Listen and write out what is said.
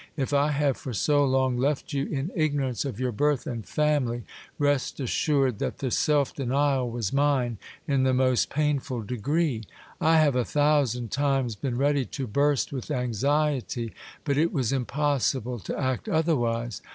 If I have for so long left you in ignorance of your birth and family, rest assured that the self denial was mine in the most painful degree. I have a thousand times been ready to burst with anxiety, but it was impossible to act otherwise.